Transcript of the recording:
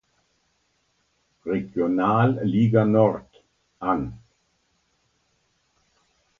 Regionalliga Nord an.